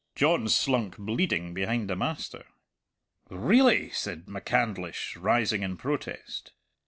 John slunk bleeding behind the master. "Really?" said MacCandlish, rising in protest.